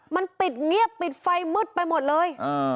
มันปิดเงียบปิดไฟมืดไปหมดเลย